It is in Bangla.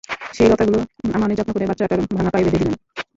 সেই লতাগুলো আম্মা অনেক যত্ন করে বাচ্চাটার ভাঙ্গা পায়ে বেধে দিলেন।